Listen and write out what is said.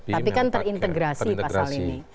tapi kan terintegrasi pasal ini